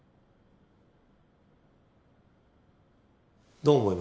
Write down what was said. どう思いますか？